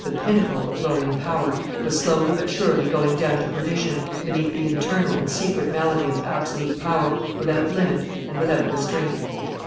the pinnacle of glory and power, was slowly but surely going down to perdition beneath the internal and secret malady of absolute power, without limit and without restraint.